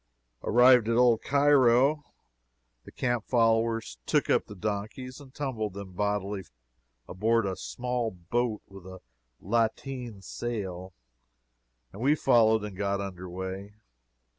Arrived at Old Cairo, the camp followers took up the donkeys and tumbled them bodily aboard a small boat with a lateen sail, and we followed and got under way.